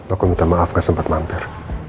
aku minta maaf gak sempat mampir